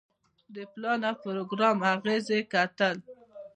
د پلان او پروګرام اغیزې کتل.